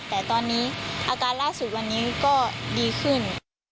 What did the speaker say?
แต่ตอนนี้อาการล่าสุดวันนี้ก็ดีขึ้น